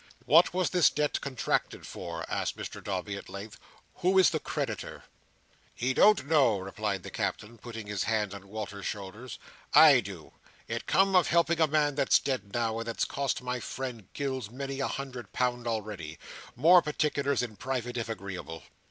"What was this debt contracted for?" asked Mr Dombey, at length. "Who is the creditor?" "He don't know," replied the Captain, putting his hand on Walter's shoulder. "I do. It came of helping a man that's dead now, and that's cost my friend Gills many a hundred pound already. More particulars in private, if agreeable."